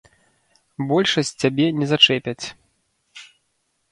Большасць цябе не зачэпяць.